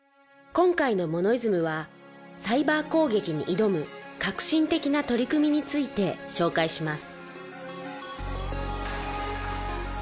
今回の『モノイズム』はサイバー攻撃に挑む革新的な取り組みについて紹介します。